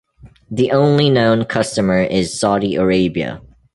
The only known customer is Saudi Arabia.